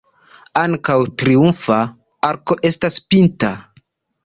Ankaŭ triumfa arko estas pinta.